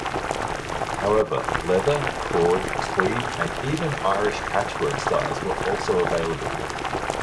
However, leather, cord, tweed and even Irish Patchwork styles are also available.